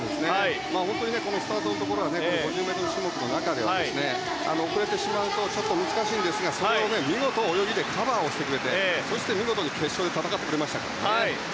本当にこのスタートのところは５０ｍ種目の中では遅れてしまうとちょっと難しいんですがそれを見事、泳ぎでカバーしてくれてそして見事に決勝で戦ってくれましたからね。